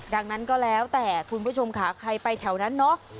ดังนั้นก็แล้วแต่คุณผู้ชมค่ะใครไปแถวนั้นเนาะ